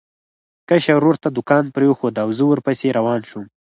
کشر ورور ته دوکان پرېښود او زه ورپسې روان شوم.